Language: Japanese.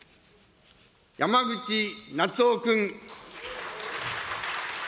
山口那津男君。